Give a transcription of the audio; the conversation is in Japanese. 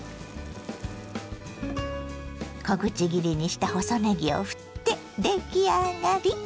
小口切りにした細ねぎをふって出来上がり。